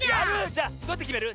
じゃあどうやってきめる？